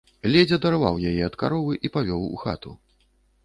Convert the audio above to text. Ледзь адарваў яе ад каровы і павёў у хату.